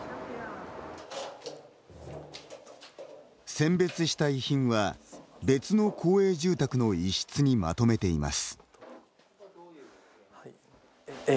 選別した遺品は別の公営住宅の１室にまとめています。